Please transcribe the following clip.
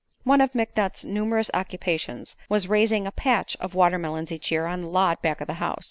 One of McNutt's numerous occupations was raising a "patch" of watermelons each year on the lot back of the house.